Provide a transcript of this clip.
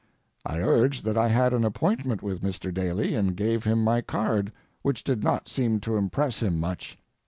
I urged that I had an appointment with Mr. Daly, and gave him my card, which did not seem to impress him much.